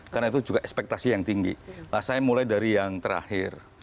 karena itu juga ekspektasi yang tinggi saya mulai dari yang terakhir